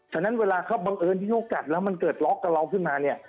ฉะนั้นเวลาเขาบังเอิญที่เขากัดแล้วมันเกิดล็อกกับเราขึ้นมาเนี่ย